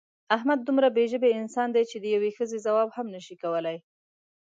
احمد دومره بې ژبې انسان دی چې د یوې ښځې ځواب هم نشي کولی.